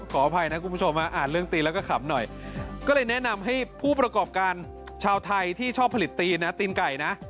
ขออภัยนะคุณผู้ชมอ่านเรื่องตีนแล้วก็ขำหน่อยก็เลยแนะนำให้ผู้ประกอบการชาวไทยที่ชอบผลิตตีนนะตีนไก่นะ